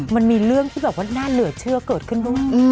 มันมีเรื่องที่แบบว่าน่าเหลือเชื่อเกิดขึ้นบ้าง